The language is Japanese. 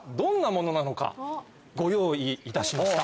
ご用意いたしました。